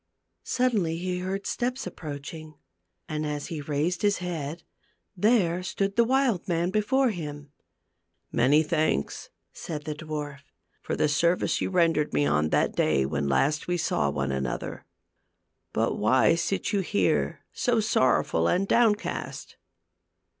Suddenly he heard steps approaching, and as he raised his head, there stood the wild man before him. "Many thanks," said the dwarf, "for the service you rendered me on that day when last we saw one another. But why sit you here so sorrowful and downcast